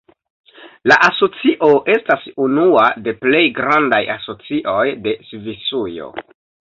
La asocio estas unua de plej grandaj asocioj de Svisujo.